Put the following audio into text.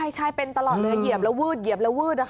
ใช่เป็นตลอดเลยเหยียบแล้ววืดเหยียบแล้ววืด